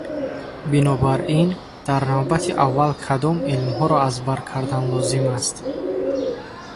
Бинобар ин, дар навбати аввал кадом илмҳоро аз бар кардан лозим аст?